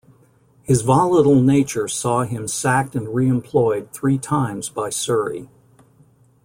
His volatile nature saw him sacked and re-employed three times by Surrey.